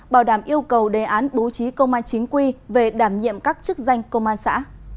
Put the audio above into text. bảo đảm yêu cầu đề án bố trí công an chính quy về đảm nhiệm các chức danh công an xã